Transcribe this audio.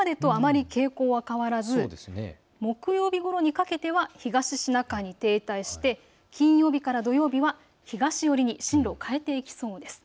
今までとあまり傾向は変わらず木曜日ごろにかけては東シナ海に停滞して金曜日から土曜日は東寄りに進路を変えていきそうです。